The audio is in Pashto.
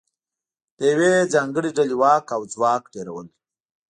د یوې ځانګړې ډلې واک او ځواک ډېرول